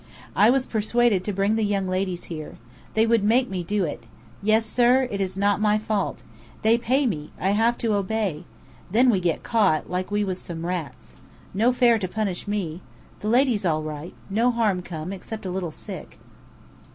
I was persuaded to bring the young ladies here. They would make me do it. Yes, sir. It is not my fault. They pay me. I have to obey. Then we get caught, like we was some rats. No fair to punish me. The ladies all right. No harm come, except a little sick."